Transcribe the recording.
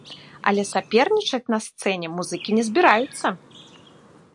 Але сапернічаць на сцэне музыкі не збіраюцца!